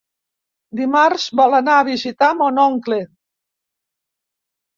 Dimarts vol anar a visitar mon oncle.